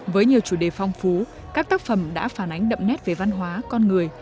với nhiều chủ đề phong phú các tác phẩm đã phản ánh đậm nét về văn hóa con người